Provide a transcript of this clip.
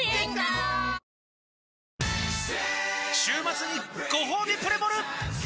週末にごほうびプレモル！